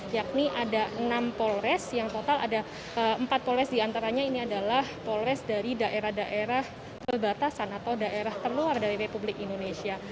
yakni ada enam polres yang total ada empat polres diantaranya ini adalah polres dari daerah daerah perbatasan atau daerah terluar dari republik indonesia